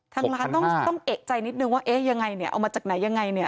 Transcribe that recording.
ทางร้านต้องเอกใจนิดนึงว่าเอ๊ะยังไงเนี่ยเอามาจากไหนยังไงเนี่ย